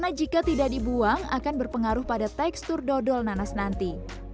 dan jika tidak dibuang akan berpengaruh pada tekstur dodol nanas nanti